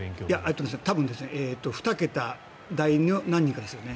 多分、２桁台何人かですね。